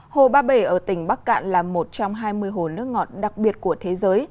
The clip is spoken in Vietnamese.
hồ ba bể ở tỉnh bắc cạn là một trong hai mươi hồ nước ngọt đặc biệt của thế giới